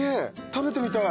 食べてみたい。